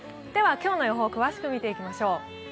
今日の予報を詳しく見ていきましょう。